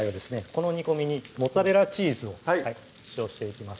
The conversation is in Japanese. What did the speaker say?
この煮込みにモッツァレラチーズを使用していきます